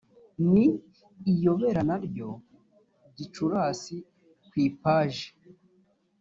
ni iyobera na ryo gicurasi ku ipaji